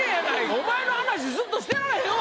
お前の話ずっとしてられへんわ！